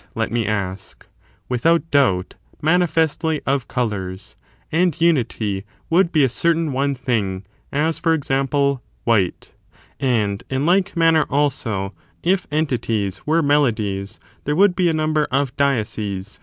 let me ask — without doubt, manifestly of colours ; and unity would be a certain one thing, as, for example, white, and of music ^^^^^^^^® manner, also, if entities were me and vocal lodies there would be a number of dieses,^ how ioundi.